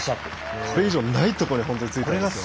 これ以上ないところについています。